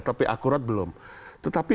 tapi akurat belum tetapi